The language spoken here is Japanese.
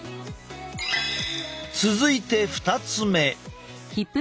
続いて２つ目。